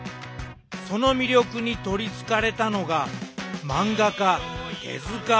その魅力に取りつかれたのが漫画家手治虫。